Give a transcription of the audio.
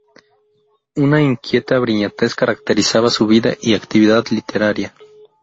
Una inquieta brillantez caracterizaba su vida y actividad literaria.